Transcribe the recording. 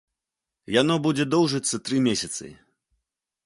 Яно будзе доўжыцца тры месяцы.